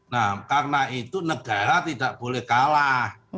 nah karena itu negara tidak boleh kalah